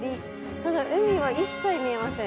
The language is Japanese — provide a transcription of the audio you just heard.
ただ海は一切見えません。